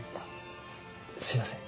すいません。